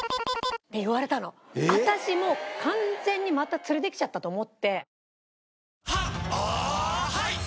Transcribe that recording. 私もう完全にまた連れてきちゃったと思って。